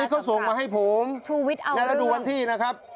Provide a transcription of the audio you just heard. นี่เขาส่งมาให้ผมนี่ก็ดูวันที่นะครับ